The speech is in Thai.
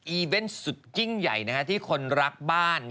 อีเวนต์สุดยิ่งใหญ่ที่คนรักบ้าน